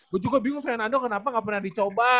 gua juga bingung kayak nando kenapa gak pernah dicoba